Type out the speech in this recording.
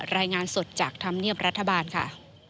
รายงานสดจากธรรมเนียบรัฐบาลค่ะ